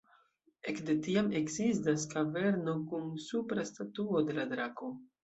Ekde tiam ekzistas kaverno kun kupra statuo de la drako.